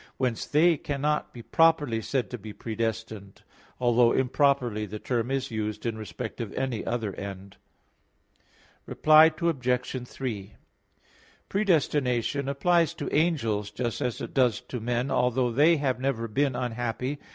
Whence they cannot be properly said to be predestined; although improperly the term is used in respect of any other end. Reply Obj. 3: Predestination applies to angels, just as it does to men, although they have never been unhappy.